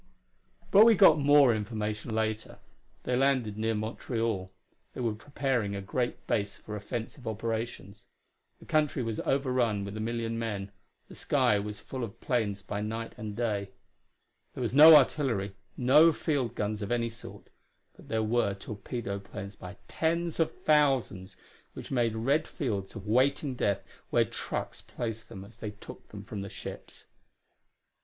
But we got more information later. They landed near Montreal; they were preparing a great base for offensive operations; the country was overrun with a million men; the sky was full of planes by night and day; there was no artillery, no field guns of any sort, but there were torpedo planes by tens of thousands, which made red fields of waiting death where trucks placed them as they took them from the ships.